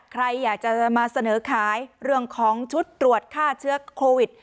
ใครอยากจะมาเสนอขายเรื่องของชุดตรวจฆ่าเชื้อโควิด